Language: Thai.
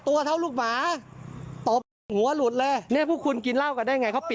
ตัวเท่าลูกหมาหัวหลุดเลยเนี้ยพวกคุณกินล้าวกันได้